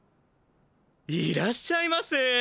いらっしゃいませ。